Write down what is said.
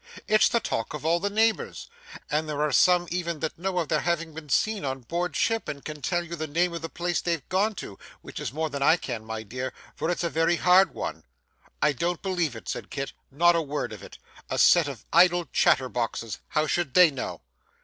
'It's the talk of all the neighbours, and there are some even that know of their having been seen on board ship, and can tell you the name of the place they've gone to, which is more than I can, my dear, for it's a very hard one.' 'I don't believe it,' said Kit. 'Not a word of it. A set of idle chatterboxes, how should they know!